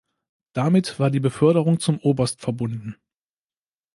Damit war die Beförderung zum Oberst verbunden.